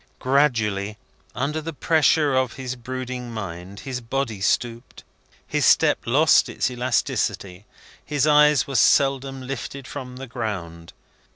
Gradually, under the pressure of his brooding mind, his body stooped, his step lost its elasticity, his eyes were seldom lifted from the ground.